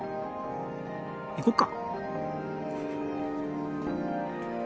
行こっか？